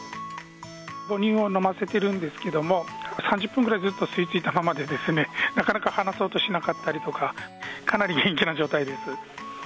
母乳を飲ませてるんですけども、３０分ぐらい、ずっと吸い付いたままでですね、なかなか離そうとしなかったりとか、かなり元気な状態です。